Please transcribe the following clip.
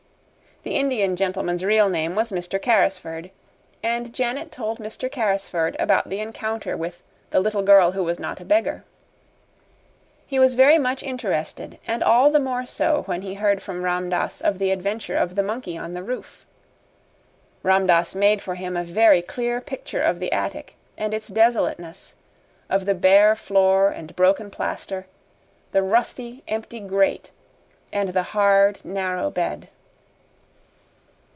The Indian gentleman's real name was Mr. Carrisford, and Janet told Mr. Carrisford about the encounter with the little girl who was not a beggar. He was very much interested, and all the more so when he heard from Ram Dass of the adventure of the monkey on the roof. Ram Dass made for him a very clear picture of the attic and its desolateness of the bare floor and broken plaster, the rusty, empty grate, and the hard, narrow bed.